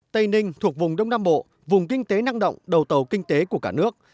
tây ninh thuộc vùng đông nam bộ vùng kinh tế năng động đầu tàu kinh tế của cả nước